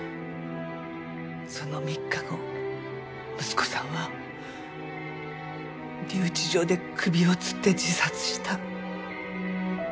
その３日後息子さんは留置場で首を吊って自殺した。